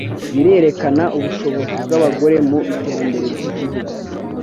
birerekana ubushobozi bw'abagore mu iterambere ry'igihugu